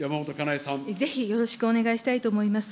ぜひよろしくお願いしたいと思います。